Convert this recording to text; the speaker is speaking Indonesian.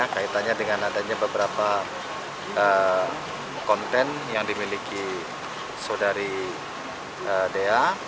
kaitannya dengan adanya beberapa konten yang dimiliki saudari dea